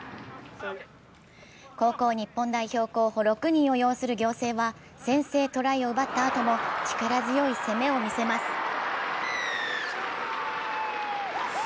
高校日本代表候補６人を擁する仰星は先制トライを奪ったあとも力強い攻めを見せます。